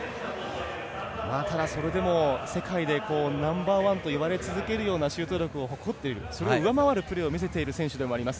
ただ、それでも世界でナンバーワンといわれ続けるようなシュート力を誇っているそれを上回るプレーをしている選手でもあります。